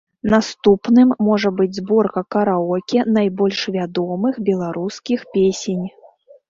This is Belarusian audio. Наступным можа быць зборка караоке найбольш вядомых беларускіх песень.